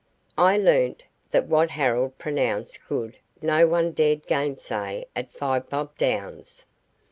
I learnt that what Harold pronounced good no one dared gainsay at Five Bob Downs.